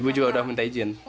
ibu juga udah minta izin